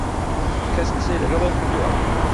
کەس قسەی لەگەڵ ئەو کردووە؟